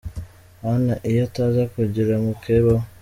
Hanna iyo ataza kugira mukeba we.